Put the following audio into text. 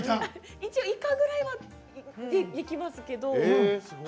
一応、イカぐらいはできますけど。